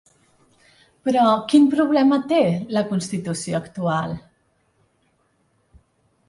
Però quin problema té la constitució actual?